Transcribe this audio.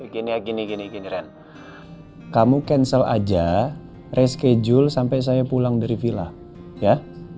gini ren kamu cancel aja reschedule sampai saya pulang dari villa ya